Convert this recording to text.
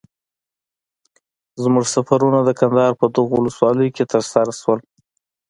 زموږ سفرونه د کندهار په دغو ولسوالیو کي تر سره سو.